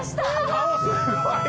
顔すごい！